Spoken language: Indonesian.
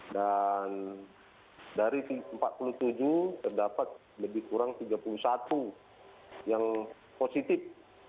dan dari empat puluh tujuh terdapat lebih kurang tiga puluh satu yang positif